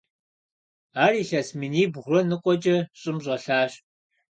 Ар илъэс минибгъурэ ныкъуэкӀэ щӀым щӀэлъащ.